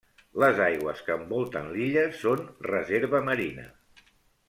Les aigües que envolten l'illa són Reserva Marina.